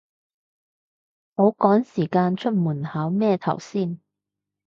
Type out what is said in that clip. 好趕時間出門口咩頭先